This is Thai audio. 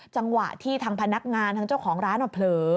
จังหวะที่ทางพนักงานทางเจ้าของร้านเผลอ